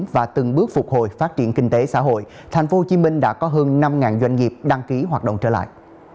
và từng bước phục hồi phát triển kinh tế xã hội tp hcm đã có hơn năm doanh nghiệp đăng ký hoạt động trở lại